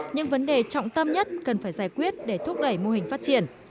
những vấn đề trọng tâm nhất cần phải giải quyết để thúc đẩy mô hình phát triển